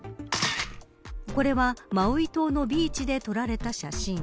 これはマウイ島のビーチで撮られた写真。